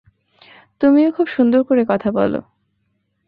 তুমিও খুব সুন্দর করে কথা বল।